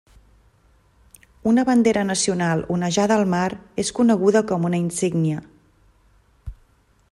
Una bandera nacional onejada al mar és coneguda com una insígnia.